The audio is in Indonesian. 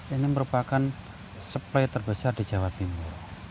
ini merupakan supply terbesar di jawa timur